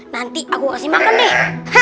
nanti aku kasih makan nih